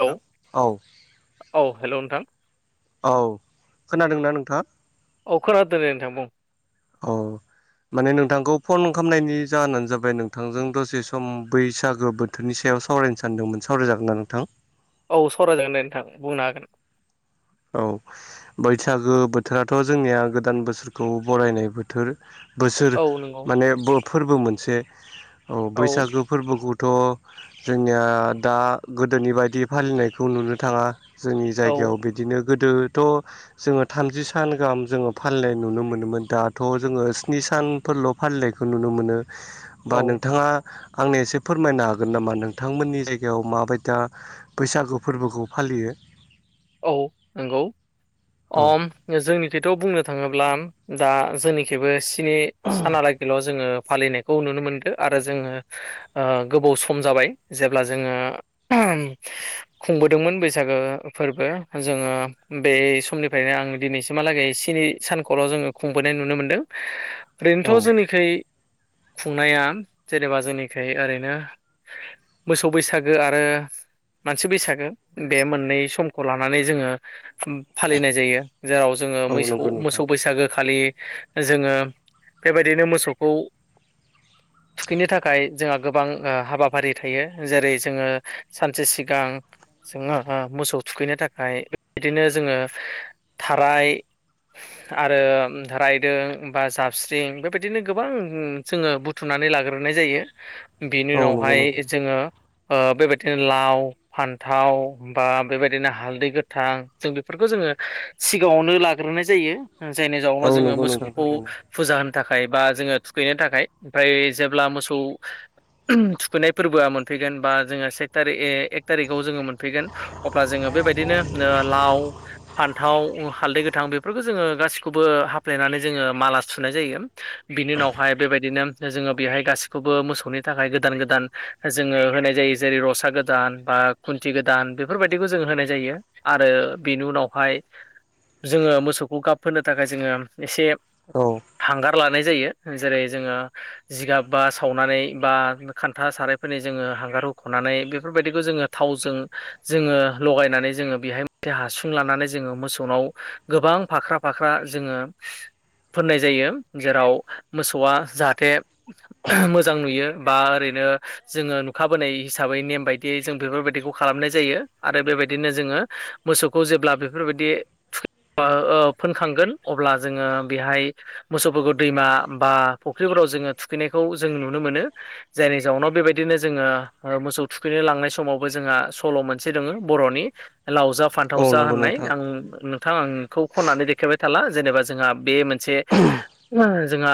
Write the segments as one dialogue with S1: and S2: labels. S1: औ
S2: नोंथां
S1: औ हेल' नोंथां
S2: औ-औ खोनादोंना नोंथाङा
S1: अ खोनादों दे नोंथां बुं
S2: औ माने नोंथांखौ फन खालामनायनि जाहोनानो जाबाय नोंथांजों दसे सम बैसागो बो थोरनि सायाव सावरायनो सानदोंमोन सावरायजागोन ना नोंथां?
S1: औ सावराय जागोन दे नोंथां बुंनो हागोन।
S2: औ बैसागो बोथोराथ' जोंनिया गोदान बोसोरखौ बरायनाय बोथोर बोसोर
S1: औ नंगौ
S2: माने बो फोरबो मोनसे औ बैसागो फोरबोखौथ' जोंनिया दा गोदोनि बायदि फालिनायखौ नुनो थाङा जोंनि
S1: औ
S2: जायगायाव बिदिनो गोदोथ' जोङो थामजि सान गाहाम जोङो फालिनाय नुनो मोनोमोन दाथ' जोङो स्नि सान फोरल' फालिलानायखौ नुनो मोनो बा
S1: औ
S2: नोंथाङा आंनो एसे फोरमायनो हागोन नामा नोंथांमोननि जायगायाव माबायदा बैसागु फोरबोखौ फालियो
S1: औ नंगौ
S2: औ
S1: अम जोंनिखिथ' बुंनो थाङोब्ला दा जोंनिखबो स्नि सानालागैल' जोङो फालिनायखौ नुनो मोनदों आरो जोङो गोबाव सम जाबाय जेब्ला जोङो खुंबोदोंमोन बैसागो फोरबो जोङो बे समनिफ्रायनो आं दिनैसिमहालागै स्नि सानखौल' जोङो खुंबोनाय नुनो मोनदों
S2: औ
S1: ओरैनोथ' जोंनिखै खुंनाया जेनेबा जोंनिखि ओरैनो मोसौ बैसागो आरो मानसि बैसागो बे मोननै सम खौ लानानै जोङो उम फालिनाय जायो जेराव जोङो
S2: औ
S1: मैसौ
S2: नंगौ नोंथां
S1: मोसौ बैसागो खालि जोङो बेबायदिनो मोसौखौ थुखैनो थाखाय जोंहा गोबां ओ हाबाफारि थायो जेरै जोङो सानसे सिगां जोङो मोसौ थुखैनो थाखाय बेबिदिनो जोङो थाराय आरो रायदों बा जाबस्रिं बेबायदिनो गोबां जोङो बु थुनानै लाग्रोनाय जायो।
S2: [inaudible]
S1: बिनि
S2: नंगौ
S1: उनावहाय
S2: नोंथां
S1: जोङो ओ बेबायथेनो लाव फान्थाव बा बेबायदिनो हालदै गोथां जों बेफोरखौ जोङो सिगाङावनो लाग्रोनाय जायो। ओ जायनि
S2: औ
S1: जाउनाव जोङो
S2: नंगौ नोंथां
S1: मोसौखौ
S2: थारैनो
S1: फुजा होनो थाखाय बा जोङो थुखैनो थाखाय ओमफाय जेब्ला मोसौ [unintelligible] थुखैनाय फोरबोआ मोनफैगोन बा जोङो सेक थारिख ए एक थारिखाव जोङो मोनफैगोन अब्ला जोङो बेबायदिनो नो लाव फान्थाव हालदै गोथां बेफोरखौ जोङो गाैखौबो हाफ्लायनानै जोङो माला सुनाय जायो बिनि उनावहाय बेबायदिनो जोङो बेहाय गासिखौबो मोसौनि थाखाय गोदान गोदान जोङो होनाय जायो जेरै रसा गोदान बा खुन्थि गोदान बेफोरबायदिखौ जों होनाय जायो आरो बेनि उनावहाय जोङो मोसौखौ गाब फोनो थाखाय जोङो एसे
S2: औ।
S1: हांगार लानाय जायो ओ जेरै जोङो जिगाब बा सावनानै बा खान्था सारायफोरनि जोङो हांगार होख'नानै बेफोरबायदिखौ जोङो थावजों जोङो लगायनानै जोङो बेहाय [inaudible] हासुं लानानै जोङो मोसौनाव गोबां फाख्रा-फाख्रा जोङो फोननाय जायो जेराव मोसौआ जाहाथे [inaudible] मोजां नुयो बा ओरैनो जोङो नुखाबोनाय हिसाबै नेम बायदियै जों बेफोर बायदिखौ खालामनाय जा जायो आरो बेबायदिनो जोङो मोसौखौ जेब्ला बेफोर बायदि थु आ ओ फोनखांगोन अब्ला जोङो बेहाय मोसौफोरखौ दैमा बा फुख्रिफोराव जोङो थुखैनायखौ जों नुनो मोनो। जायनि जाउनाव बेबायदिनो जोङो ओ मोसौ थुखैनो लांनाय समावबो जोंआ सल' मोनसे दोङो बर'नि लाव जा फान्थाव
S2: औ
S1: जा
S2: नंगौ
S1: होननाय
S2: नोंथां
S1: आं नो नोंथां आं बेखौ खननानै देखायबाय थाला जेनेबा जोंहा बे मोनसे ओ जोंहा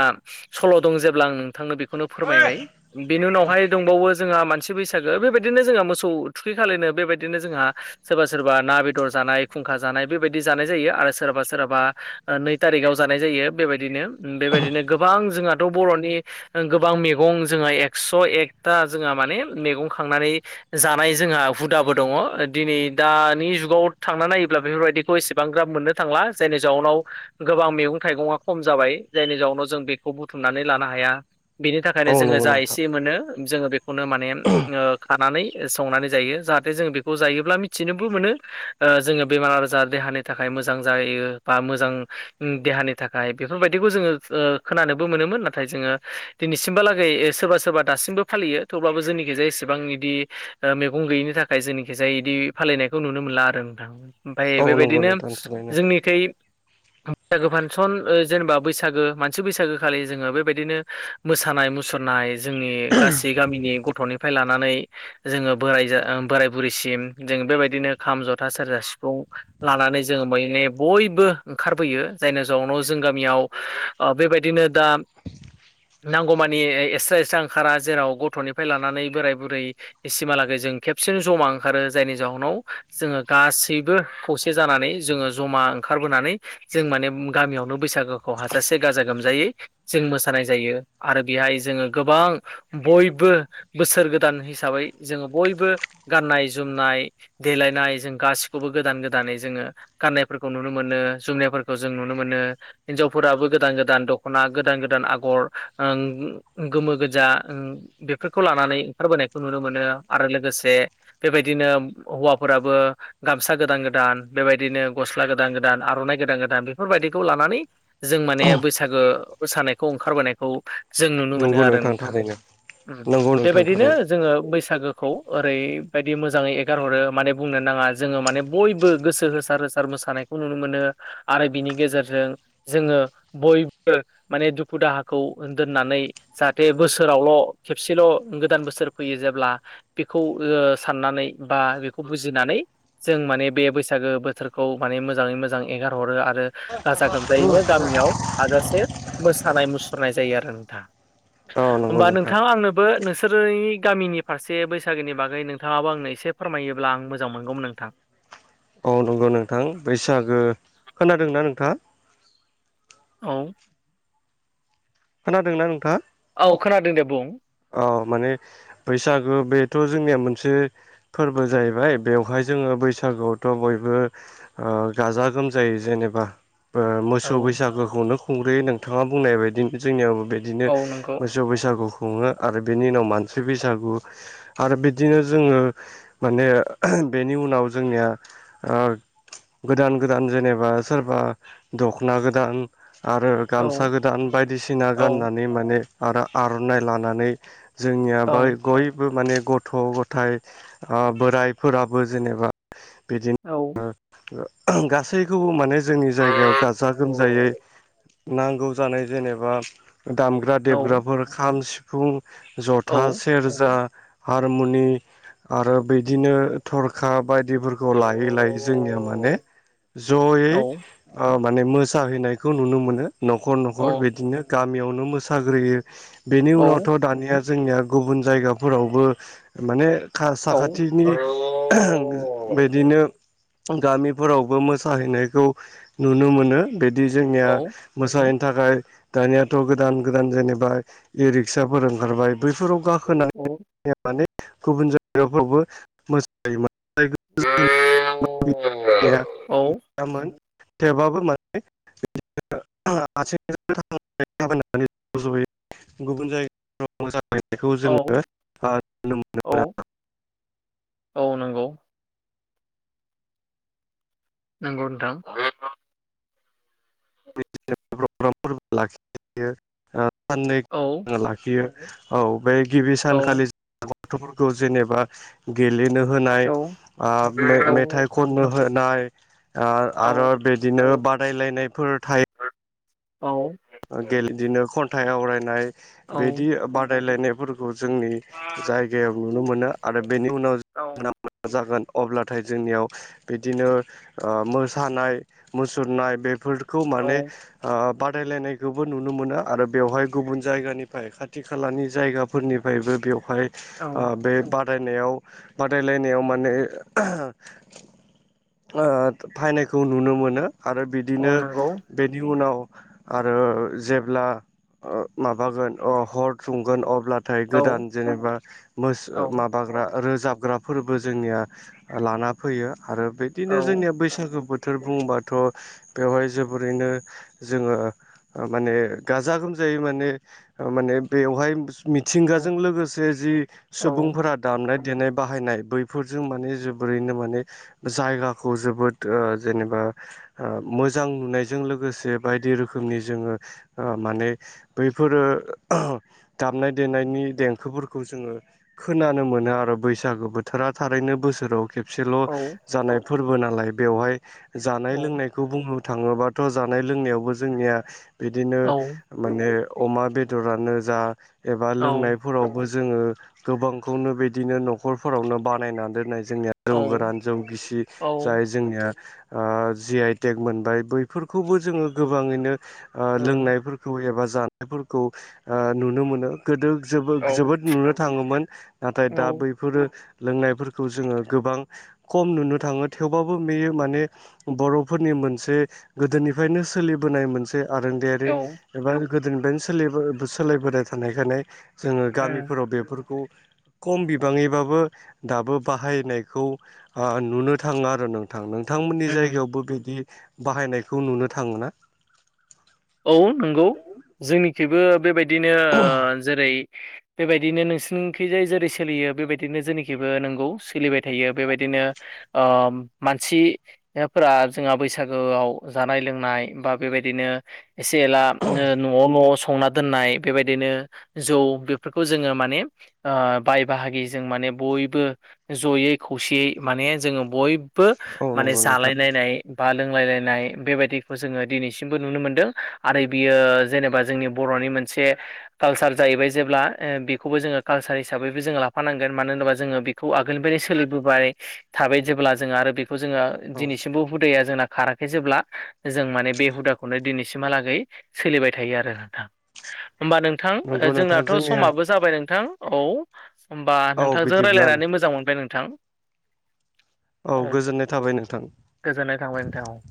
S1: सल' दं जेब्ला आं नोंथांनो बेखौनो फोरमायबाय। बेनि उनावहाय दंबावो जोंहा मानसि बैसागो बेबायदिनो जोंहा मोसौ थु खै खालिनो बेबादिनो जोंहा सोरबा सोरबा ना बेदर जानाय खुंखा जानाय बेबायदि जानाय जायो आरो सोराबा सोराबा ओ नै थारिगाव जानाय जायो बेबायदिनो बेबायदिनो गोबां जोंहाथ' बर'नि ओ गोबां मेगं जोंहा एक्स' एकथा जोंहा माने मैगं खांनानै जानाय जोंहा हुदाबो दङ' ओ दिनै दानि जुगाव थांना नायोब्ला बेफोर बायदिखौ एसेबां ग्राब मोननो थांला जायनि जाउनाव गोबां मैगं थाइगङा खम जाबाय जायनि जाउनाव जों बेखौ बुथुमनानै लानो हाया। बिनि
S2: औ
S1: थाखायनो जोङो
S2: नंगौ
S1: जा
S2: नोंथां
S1: एसे मोनो जोङो बेखौनो माने ओ खानानै संनानै जायो जाहाथे जों बेखौ जायोब्ला मिथिनोबो मोनो ओ जोङो बेमार आजार देहानि थाखाय मोजां जायो बा मोजां देहानि थाखाय बेफोर बायदिखौ जोङो ओ खोनानोबो मोनोमोन नाथाय जोङो दिनैसिमबालागै सोरबा सोरबा दासिमबो फालियो। थेवब्लाबो जोंनिखिजाय एसेबां इदि ओ मेगं गैयिनि थाखाय जोंनिखिजाय इदि फालिनायखौ नुनो मोनला आरो नोंथां। ओमफाय
S2: औ नंगौ
S1: बेबायदिनो
S2: नोंथां थारैनो
S1: जोंनिखै बैसागो फान्सन ओ जेनेबा बैसागो मानसि बैसागो खालि जोङो बैबायदिनो मोसानाय मुसुरनाय जोंनि गासै गामिनि गथ'निफ्राय लानानै जोङो बोर जा ओ बोराय बुरैसिम जों बेबायदिनो खाम, जथा, सेरजा, सिफुं लानानै जोङो मै-मै बयबो ओंखारबोयो जायनि जाउनाव जों गामियाव ओ बेबायदिनो दा
S2: [inaudible]
S1: नांगौमानि एक्सट्रा एक्सट्रा ओंखारा जेराव गथ'निफ्राय लानानै बोराय-बुरै इसिमहालागै जों खेबसेनो जमा ओंखारो जायनि जाउनाव जोङो गासिबो खौसे जानानै जोङो जमा ओंखारबोनानै जों माने गामियावनो बैसागोखौ हाजासे गाजा-गोमजायै जों मोसानाय जायो आरो बेहाय जोङो गोबां बयबो बोसोर गोदान हिसाबै जोङो बयबो गाननाय-जोमनाय देलायनाय जों गासिखौबो गोदान गोदानै जोङो गाननायफोरखौ नुनो मोनो जोमनायफोरखौ जों नुनो मोनो। हिनजावफोराबो गोदान गोदान दख'ना गोदान गोदान आगर ओ गोमो गोजा ओ बेफोरखौ लानानै ओंखारबोनायखौ नुनो मोनो आरो लोगोसे बेबायदिनो हौवाफोराबो गामसा गोदान गोदान बेबायदिनो गस्ला गोदान गोदान आर'नाइ गोदान गोदान बेफोर बायदिखौ लानानै जों माने बैसागो मोसानायखौ ओंखारबोनायखौ जों नुनो मोनो
S2: नंगौ
S1: आरो नोंथां
S2: थारैनो
S1: ओ
S2: नंगौ नोंथां
S1: बेबायदिनो
S2: थारैनो
S1: जोङो बैसागो बैसागोखौ ओरैबादि मोजाङै एगारहरो माने बुंनो नाङा जोङो माने बयबो गोसो होसार होसार मोसानायखौ नुनो मोनो आरो बिनि गेजेरजों जोङो बयबो माने दुखु दाहाखौ दोननानै जाहाथे बोसोरावल' खेबसेल' गोदान बोसोर फैयो जेब्ला बेखौ ओ साननानै बा बेखौ बुजिनानै जों माने बे बैसागो बोथोरखौ माने मोजाङै मोजां एंगारहरो आरो ओ गाजा गोमजायैनो गामिआव हाजासे मोसानाय मुसुरनाय जायो आरो नोंथां
S2: औ नंगौ
S1: होमबा नोंथां आंनोबो नोंसोरनि ओइ गामिनि फारसे बैसागोनि बागै नोंथांआबो आंनो एसे फोरमायोब्ला आं मोजां मोनगौमोन नोंथां
S2: औ नंगौ नोंथां उम बैसागो खोनादोंना नोंथांआ
S1: औ
S2: खोनादोंना नोंथांआ
S1: औ खोनादों दे बुं
S2: ओ माने बैसागु बेथ' जोंनिआ मोनसे ओ फोरबो जाहैबाय बेवहाय जोङो बैसागोआवथ' बयबो ओ गाजा गोमजायै जेनोबा ओ
S1: औ
S2: मोसौ बैसागोखौनो खुंग्रोयो नोंथांआ बुंनाय बायदि जोंनिआवबो बेफोर बिदिनो
S1: औ नंगौ
S2: मोसौ बैसागु खुङो आरो बेनि उनाव मानसि बैसागु आरो बिदिनो जोङो माने बेनि उनाव जोंनिआ ओ गोदान गोदान जेनोबा सोरबा दख'ना गोदान आरो
S1: औ
S2: गामसा गोदान बायदिसिना
S1: औ ओं
S2: गाननानै माने आरो आर'नाइ लानानै जोंनिया
S1: औ
S2: बाइ बयबो माने गथ' गथाय बोराइफोराबो जेनोबा बिदिनो
S1: औ
S2: ओ ओ गासैखौबो माने जोंनि जायगायाव गाजा गोमजायै नांगौ जानाय जेनोबा दामग्रा
S1: औ
S2: देबग्राफोर खाम सिफुं
S1: औ
S2: ज'था सेरजा हारमुनि आरो बिदिनो थरखा बाय बाइफोरखौ लायै लायै जोंनिआ माने ज'यै ओ माने मोसाहैनायखौ नुनो मोनो न'खर
S1: औ
S2: न'खर बिदिनो गामिआवनो मोसाग्रोयो बेनि उनाव दानिआ जोंनिआ गुबुन जायगाफोरावबो माने खा साखाथिनि ओह बिदिनो गामिफोरावबो मोसाहैनायखौ नुनो मोनो बिदि जोंनिआ मोसाहैनो थाखाय दानिआथ' गोदान गोदान जेनोबा इ रिक रिक्साफोर ओंखारबाय बैफोराव गाखोनाय माने गुबुन जायगाफ्रावबो
S1: औ
S2: [unintelligible] थेवबाबो माने बिदि आथिं [unintelligible] गुबुन जायगायाव मोसाहैनायखौ जोङो ओ नुनो मोनो
S1: औ
S2: आरो।
S1: औ नंगौ नोंगौ नोंथां
S2: [unintelligible] लाखियो ओ साननै
S1: औ
S2: लाखियो औ बे गिबि
S1: औ
S2: सानखालि जों गथ'फोरखौ जेनोबा गेलेनो होनाय
S1: औ औ
S2: ओ मेथाइ खननो होनाय ओ
S1: औ
S2: आरो बिदिनो बादायलायनायफोर थायो
S1: औ
S2: ओ गेलेदिनो खन्थाइ आवरायनाय
S1: औ
S2: बिदि बादायलायनायफोरखौ खौ जोंनि जायगायाव नुनो मोनो आरो बेनि उनाव जों जागोन अब्लाथाय जोंनियाव बिदिनो ओ मोसानाय मुसुरनाय बेफोर खौ ओ माने
S1: औ
S2: बादायलायनाय बेखौबो नुनो मोनो आरो बेवहाय गुबुन जायगानिफ्राय खाथि खालानि जायगाफोरनिफ्रायबो बेवहाय ओ बे बादायनायाव बादायलायनायाव माने ओ फायनायखौ नुनो मोनो आरो
S1: औ
S2: बिदिनो
S1: नंगौ
S2: बेनि उनाव आरो जेब्ला ओ माबागोन हर सुंगोन अब्ला नाथाय
S1: औ
S2: गोदान जेनेबा मोस
S1: औ
S2: माबाग्रा रोजाबग्रा फोरबो जोंनिया लाना फैयो आरो बिदिनो
S1: औ
S2: जोंनिया बैसागो बोथ बोथोर बुंङोबाथ' बेवहाय जोबोरैनो जोंङो माने गाजा गोमजायै माने माने बेवहाय
S1: औ
S2: मिथिंगाजों लोगोसे जि
S1: औ
S2: सुबुंफोरा दामनाय देनाय बाहायनाय बैफोरजों माने जोबोरैनो माने जायगाखौ जोबोद ओ जेनेबा ओ मोजां नुनायजों लोगोसे बायदि रोखोमनि जोंङो माने बैफोरो दामनाय देनायनि देंखोफोरखौ जोंङो खोनानो मोनो आरो बैसागो बोथोरा थारैनो बोसोराव खेबसेल'
S1: औ
S2: जानाय फोरबो नालाय बेवहाय
S1: औ
S2: जानाय लोंनाय बे खौ बुंनो थांङोबाथ' जानाय लोंनायावबो जोंनिया बिदिनो
S1: औ
S2: माने अमा बेदरानो जा एबा
S1: औ
S2: लोंनायफोरावबो जोंङो गोबांखौनो बिदिनो न'खरफोरावनो बानायनानै दोननाय जोंनिया जौ गोरान जौ गिसि जाय जोंनिया ओ जि आइटेक मोनबाय बैफोरखौबो जोंङो गोबांङैनो ओ लोंनायफोरखौ एबा जानायफोरखौ ओ नुनो मोनो गोदो जोबो
S1: औ
S2: जोबोद नुनो थांङोमोन नाथाय दा
S1: उम
S2: बै बेफोरो लोंनायफोरखौ जोंङो गोबां खम नुनो थांङो थेवबाबो बेयो माने बर'फोरनि मोनसे गोदोनिफ्रायनो सोलिबोनाय मोनसे आरोंदायारि एबा गोदोनिफ्रायनो सो सोलिायबोनाय थानायखाय जोंङो गामिफोराव बेफोरखौ खम बिबांङैबाबो दाबो बाहायनायखौ नुनो थांङो आरो नों नोंथांमोननि
S1: उम
S2: जायगायावबो बिदि बाहायनायखौ नुनो थांङो ना
S1: औ नंगौ जोंनिखइबो बेबायदिनो जेरै बेबायदिनो नोंसिोरनिखिजाय जेरै सोलियो बेबायदिनो जेनिखिबो नोंगौ सोलिबाय थायो बेबायदिनो आ मानसि फोर जोंहा बैसागोआव जानाय लोंनाय बा बेबायदिनो एसे एला न'आव न'आव संना दोननाय बेबायदिनो जौ बेफोरखौ जोंङो माने बाय बाहागि जों माने बयबो जयै खौसेयै माने जोंङो बय बो
S2: औ
S1: माने
S2: नंगौ नोंथां।
S1: जालायलायनाय बा लोंलायलायनाय बेबायदिखौ जोङो दिनैसिमबो नुनो मोनदों आरो बियो जेनेबा जोंनि बर'नि मोनसे कालसार जाहैबाय जेब्ला बेखौबो जोंङो कालसार हिसाबैबो जो लाफानांगोन मानो होनोबा जोंङो खौ आगोलनिफ्रायनो सोलिबोबाय थाबाय जेब्ला जोंङो आरो बेखौ जोंङो
S2: औ
S1: दिनैसिमबो हुदाया जोंना खाराखै जेब्ला जों माने बे हुदाखौनो दिनैसिम सोलिबाय थायो आरो नोंथा होनबा नोंथां
S2: नंगौ नोंथां
S1: जोंनाथ'
S2: जोंनिया
S1: समाबो जाबाय नोंथां औ होमबा
S2: औ
S1: नोंथांजों
S2: बिदिब्ला
S1: रायज्लायनानै मोजां मोनबाय नोंथां
S2: औ गोजोननाय थाबाय नोंथां।
S1: गोजोननाय थांबाय नोंथां